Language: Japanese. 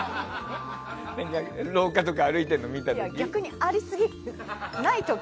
廊下とか歩いているの見る時？